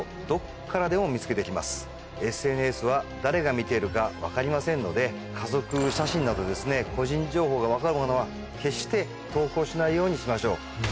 ＳＮＳは誰が見ているか分かりませんので家族写真など個人情報が分かるものは決して投稿しないようにしましょう。